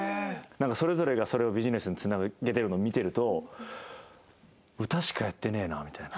なんかそれぞれがそれをビジネスにつなげてるのを見てると歌しかやってねえなみたいな。